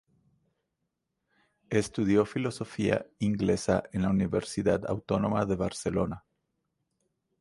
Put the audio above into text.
Estudió filología inglesa en la Universidad Autónoma de Barcelona.